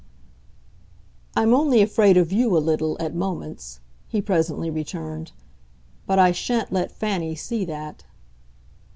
"I'm only afraid of you, a little, at moments," he presently returned. "But I shan't let Fanny see that."